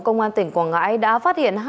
công an tỉnh quảng ngãi đã phát hiện